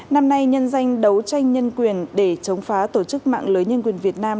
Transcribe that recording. năm nay nhân danh đấu tranh nhân quyền để chống phá tổ chức mạng lưới nhân quyền việt nam